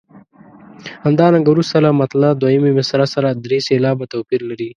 همدارنګه وروسته له مطلع دویمې مصرع سره درې سېلابه توپیر لري.